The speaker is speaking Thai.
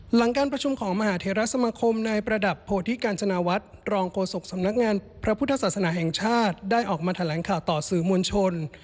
หลังการประชุมของมหาเทราสมาคมในประดับโพธิกาญจนาวัฒน์รองโฆษกสำนักงานพระพุทธศาสนาแห่งชาติได้ออกมาแถลงข่าวต่อสื่อมวลชน